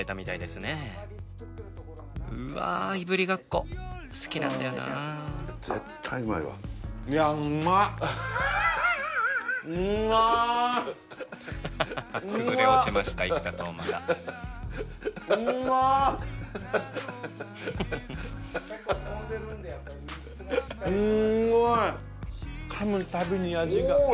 すんごい！